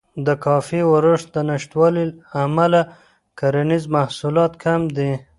د کافي ورښت له نشتوالي امله کرنیز محصولات کم دي.